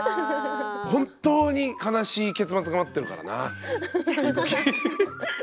本当に悲しい結末が待ってるからな。